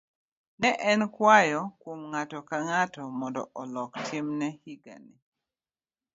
Ne en gi kwayo kuom ng'ato ka ng'ato mondo olok timne higani.